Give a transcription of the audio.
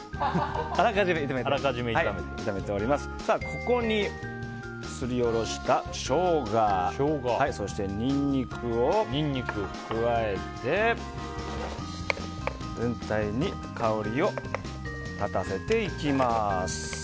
ここにすりおろしたショウガそしてニンニクを加えて全体に香りを立たせていきます。